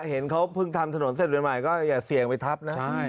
เห็นเขาเพิ่งทำถนนเสร็จใหม่ก็อย่าเสี่ยงไปทับนะ